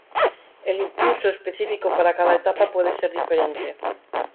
El impulso específico para cada etapa puede ser diferente.